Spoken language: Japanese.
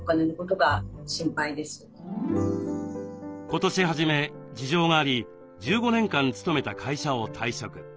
今年初め事情があり１５年間勤めた会社を退職。